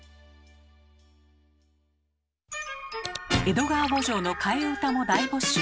「江戸川慕情」の替え歌も大募集。